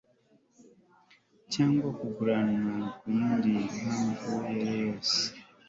cyangwa kuguranwa ku yindi mpamvu iyo ari yo